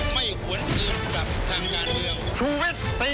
ไม่ควรเอาจับทางงานเดียว